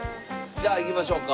じゃあ行きましょうか。